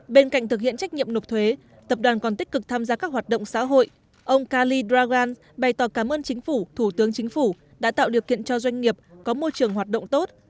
bên cạnh thực hiện trách nhiệm nộp thuế tập đoàn còn tích cực tham gia các hoạt động xã hội ông kali dragan bày tỏ cảm ơn chính phủ thủ tướng chính phủ đã tạo điều kiện cho doanh nghiệp có môi trường hoạt động tốt